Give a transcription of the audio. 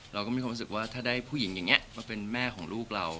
เราก็มีความรู้สึกว่าถ้าได้ผู้หญิงอย่างนี้มาเป็นแม่ของลูกเรา